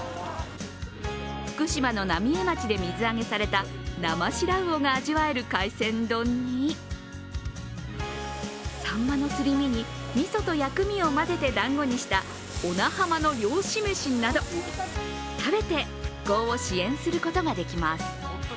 福島の浪江町で水揚げされた生シラウオが味わえる海鮮丼にサンマのすり身にみそと薬味を混ぜて団子にした小名浜の漁師飯など食べて復興を支援することができます。